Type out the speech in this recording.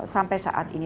sampai saat ini